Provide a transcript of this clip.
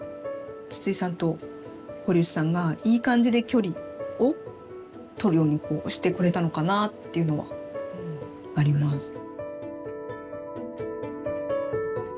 筒井さんと堀内さんがいい感じで距離を取るようにこうしてくれたのかなっていうのはあります。